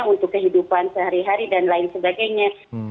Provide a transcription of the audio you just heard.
untuk kehidupan sehari hari dan lain sebagainya